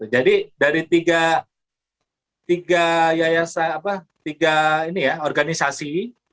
jadi dari tiga organisasi